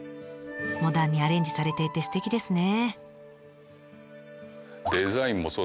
モダンにアレンジされていてすてきですね。